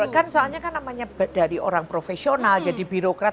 kan soalnya kan namanya dari orang profesional jadi birokrat